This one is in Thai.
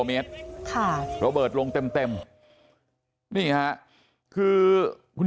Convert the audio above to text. พวกมันกลับมาเมื่อเวลาที่สุดพวกมันกลับมาเมื่อเวลาที่สุด